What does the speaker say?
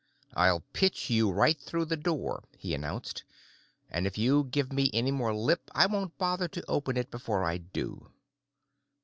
"I'll pitch you right through the door," he announced. "And if you give me any more lip I won't bother to open it before I do."